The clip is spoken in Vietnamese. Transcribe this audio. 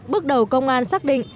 bước đầu công an xác định